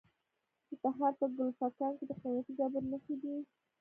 د تخار په کلفګان کې د قیمتي ډبرو نښې دي.